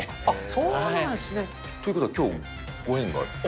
そうなんですね。ということはきょう、ご縁が。